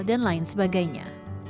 dan lain sebagainya